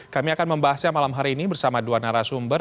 kami akan membahasnya malam hari ini bersama dua narasumber